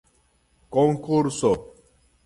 konkurso